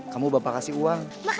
kamu bapak kasih uang